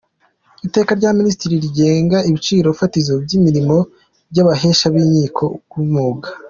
Iteka rya Minisitiri rigena ibiciro fatizo by’imirimo y’Abahesha b’Inkiko b’Umwuga ;